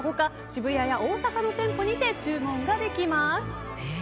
渋谷や大阪の店舗にて注文ができます。